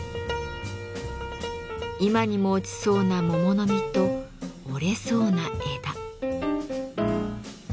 今にも落ちそうな桃の実と折れそうな枝。